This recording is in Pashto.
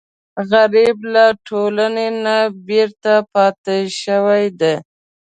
غریب له ټولنې نه بېرته پاتې شوی وي